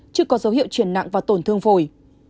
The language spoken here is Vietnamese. chưa có dấu hiệu chuyển nặng và tổn thương phổi